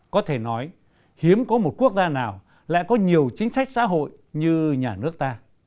có thể nói hiếm có một quốc gia nào lại có nhiều chính sách xã hội như nhà nước ta